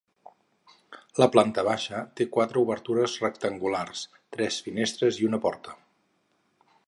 La planta baixa té quatre obertures rectangulars, tres finestres i una porta.